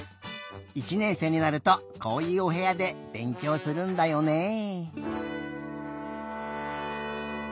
１年生になるとこういうおへやでべんきょうするんだよね。